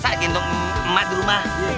saya biasa gendong emak di rumah